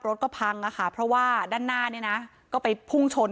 รถก็พังนะคะเพราะว่าด้านหน้าเนี่ยนะก็ไปพุ่งชน